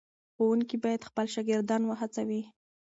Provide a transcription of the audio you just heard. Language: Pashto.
ښوونکي باید خپل شاګردان وهڅوي.